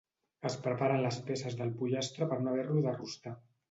Es preparen les peces del pollastre per no haver-lo de rostar.